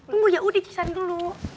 tunggu yaudah cik sari dulu